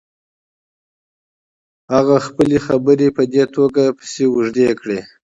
هغه خپلې خبرې په دې توګه پسې اوږدې کړې.